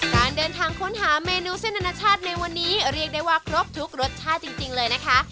การเดินทางค้นหาเมนูเส้นอนาชาติในวันนี้เรียกได้ว่าครบทุกรสชาติจริงเลยนะคะ